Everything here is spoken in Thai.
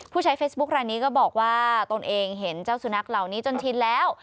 ผู้ใช้เฟซบุ๊คลายนี้ก็บอกว่าตนเองเห็นเจ้าสุนัขเหล่านี้จนชินแล้ว